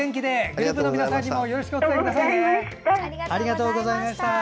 グループの皆さんにもよろしくお伝えくださいね。